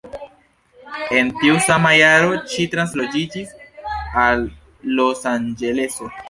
En tiu sama jaro ŝi transloĝiĝis al Losanĝeleso.